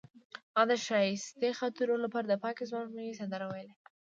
هغې د ښایسته خاطرو لپاره د پاک سپوږمۍ سندره ویله.